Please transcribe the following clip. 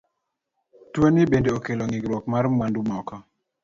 Tuoni bende okelo ng'ikruok mar mwandu moko.